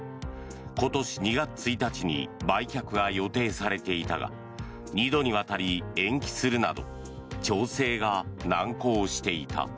今年２月１日に売却が予定されていたが２度にわたり延期するなど調整が難航していた。